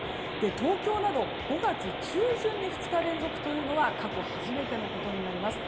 東京など、５月中旬に２日連続というのは過去初めてのことになります。